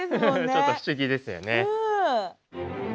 ちょっと不思議ですよね。